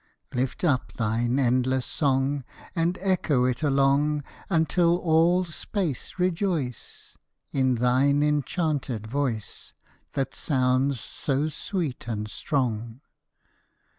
Lift up thine endless song, And echo it along Until all space rejoice, In thine enchanted voice, That sounds so sweet and strong.